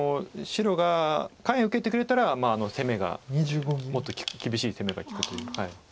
白が下辺受けてくれたら攻めがもっと厳しい攻めが利くという。